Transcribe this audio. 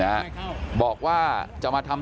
แต่ว่าวินนิสัยดุเสียงดังอะไรเป็นเรื่องปกติอยู่แล้วครับ